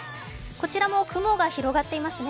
こちらも雲が広がってますね。